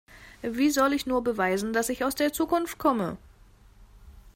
Wie soll ich nur beweisen, dass ich aus der Zukunft komme?